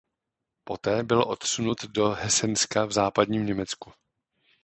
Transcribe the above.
Poté byl odsunut do Hesenska v západním Německu.